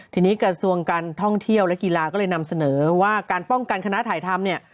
ทีนี้กระทรวงการท่องเที่ยวและกีฬาก็เลยนำเสนอว่าการป้องกันคณะถ่ายทำเนี่ย